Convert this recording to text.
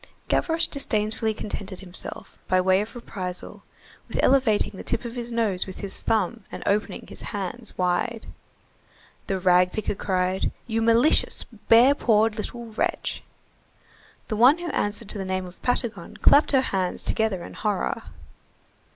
Gavroche disdainfully contented himself, by way of reprisal, with elevating the tip of his nose with his thumb and opening his hand wide. The rag picker cried:— "You malicious, bare pawed little wretch!" The one who answered to the name of Patagon clapped her hands together in horror.